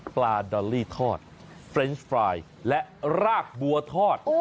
ปลาดอลลี่ทอดเฟรนช์ฟรายและรากบัวทอด